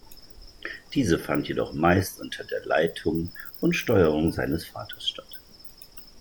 Diese fand jedoch meist unter der Leitung und Steuerung seines Vaters statt.